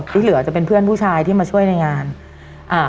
ที่เหลือจะเป็นเพื่อนผู้ชายที่มาช่วยในงานอ่า